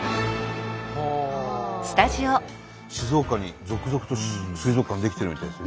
静岡に続々と水族館出来てるみたいですよ。